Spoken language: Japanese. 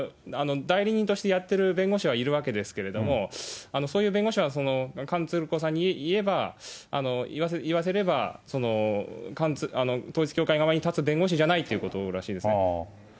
代理人としてやってる弁護士はいるわけですけれども、そういう弁護士は、韓鶴子さんに言えば、言わせれば、統一教会側に立つ弁護士じゃないということらしいですね。